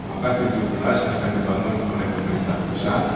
akan dibangun oleh pemerintah pusat